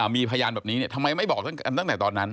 มีพยานแบบนี้ทำไมไม่บอกตั้งแต่ตอนนั้น